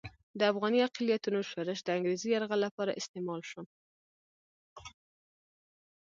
د افغاني اقلیتونو شورش د انګریزي یرغل لپاره استعمال شو.